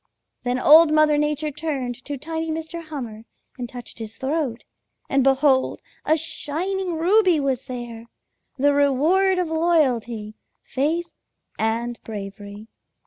"Then Old Mother Nature turned to tiny Mr. Hummer and touched his throat, and behold a shining ruby was there, the reward of loyalty, faith, and bravery.